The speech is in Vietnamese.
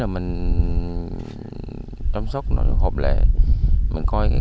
hình pháp khó khăn là được khoản phần impaired